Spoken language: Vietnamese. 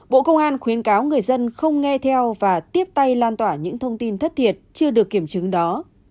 bộ công an khuyến cáo người dân không nghe theo và tiếp tay lan tỏa những thông tin thất thiệt chưa được kiểm chứng đó